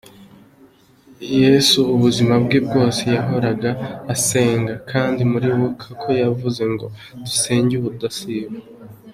Yesu ubuzima bwe bwose yahoraga asenga, kandi muribuka ko yavuze ngo dusenge ubudasiba.